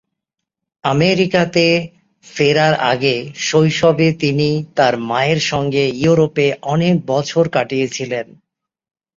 America তে ফেরার আগে শৈশবে তিনি তার মায়ের সঙ্গে ইউরোপে অনেক বছর কাটিয়েছিলেন।